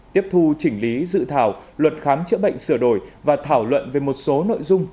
tiếp thu chỉnh lý dự thảo luật khám chữa bệnh sửa đổi và thảo luận về một số nội dung